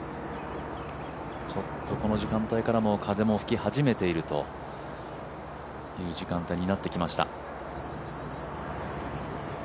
ちょっとこの時間帯から風も吹き始めているという時間帯になってきました。